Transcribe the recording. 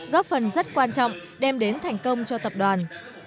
góp phần rất quan trọng đem đến thành công cho tập đoàn